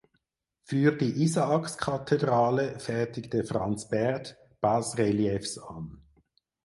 Für die Isaakskathedrale fertigte Franz Baird Basreliefs an.